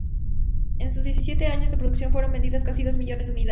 En sus diecisiete años de producción fueron vendidas casi dos millones de unidades.